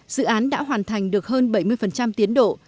dự án đã hoàn thành được hơn bảy mươi tiến độ